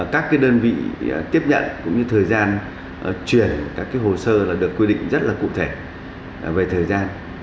các đơn vị tiếp nhận cũng như thời gian chuyển các hồ sơ được quy định rất là cụ thể về thời gian